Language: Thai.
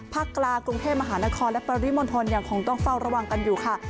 กลางกรุงเทพมหานครและปริมณฑลยังคงต้องเฝ้าระวังกันอยู่ค่ะ